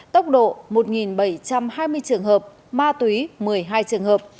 tốc độ một bảy trăm hai mươi trường hợp ma túy một mươi hai trường hợp